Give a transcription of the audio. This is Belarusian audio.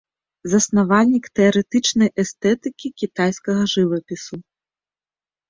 Заснавальнік тэарэтычнай эстэтыкі кітайскага жывапісу.